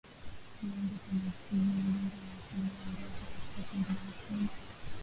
Kiwango cha maambukizi ya ugonjwa wa mapele ya ngozi katika kundi la mifugo